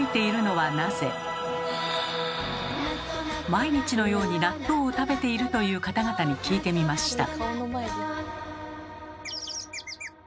毎日のように納豆を食べているという方々に聞いてみました。